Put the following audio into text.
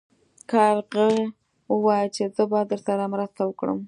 کارغې وویل چې زه به درسره مرسته وکړم.